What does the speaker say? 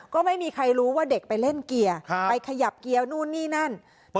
ก็ไม่มีใครรู้ว่าเด็กไปเล่นเกียร์ไปขยับเกียร์นู่นนี่นั่น